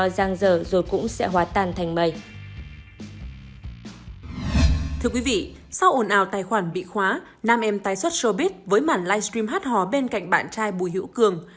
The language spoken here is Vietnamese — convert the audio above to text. sau ồn ào tài khoản bị khóa nam em tái xuất showbiz với mản livestream hát hò bên cạnh bạn trai bùi hữu cường